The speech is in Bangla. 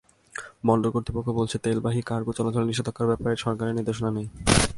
বন্দর কর্তৃপক্ষ বলছে, তেলবাহী কার্গো চলাচলে নিষেধাজ্ঞার ব্যাপারে সরকারের নির্দেশনা নেই।